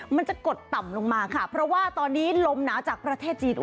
มันจะกดต่ำลงมาค่ะเพราะว่าตอนนี้ลมหนาวจากประเทศจีน